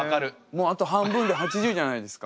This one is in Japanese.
もうあと半分で８０じゃないですか。